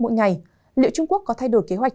mỗi ngày liệu trung quốc có thay đổi kế hoạch